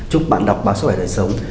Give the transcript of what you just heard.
chúc bạn đọc báo sức khỏe đời sống